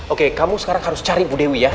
oke kamu sekarang harus cari bu dewi ya